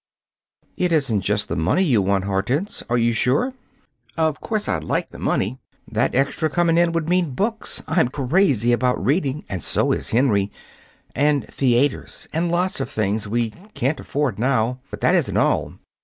"It isn't just the money you want, Hortense? Are you sure?" "Of course I'd like the money. That extra coming in would mean books I'm crazy about reading, and so is Henry and theaters and lots of things we can't afford now. But that isn't all.